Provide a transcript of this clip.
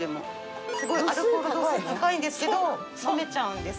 すごいアルコール度数高いんですけど飲めちゃうんです。